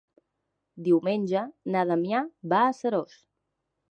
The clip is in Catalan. Diumenge na Damià va a Seròs.